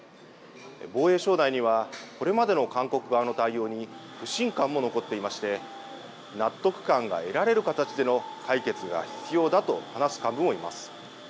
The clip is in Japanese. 防衛省内には、これまでの韓国側の対応に不信感も残っていまして、納得感が得られる形での解決が必要だと話す幹部もいます。